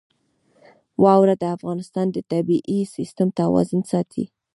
واوره د افغانستان د طبعي سیسټم توازن ساتي.